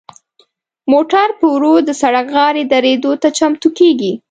موټر په ورو د سړک غاړې دریدو ته چمتو کیږي.